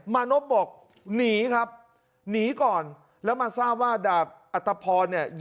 มานพบอกหนีครับหนีก่อนแล้วมาทราบว่าดาบอัตภพรเนี่ย